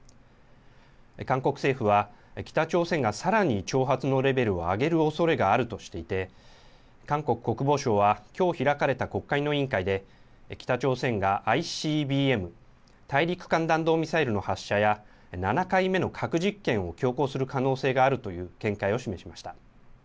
韓国政府は北朝鮮がさらに挑発のレベルを上げるおそれがあるとしていて韓国国防省はきょう開かれた国会の委員会で北朝鮮がＩＣＢＭ・大陸間弾道ミサイルの発射や７回目の核実験を強行する可能性があるという見解を示しました。